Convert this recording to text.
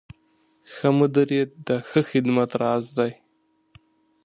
ښه مدیریت د ښه خدمت راز دی.